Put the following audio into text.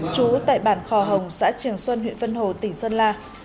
trú tại bản khò hồng xã trường xuân huyện vân hồ tỉnh sơn la